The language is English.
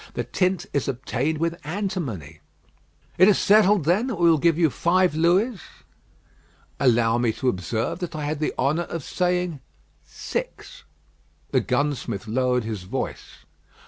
The tint is obtained with antimony." "It is settled, then, that we give you five Louis?" "Allow me to observe that I had the honour of saying six." The gunsmith lowered his voice.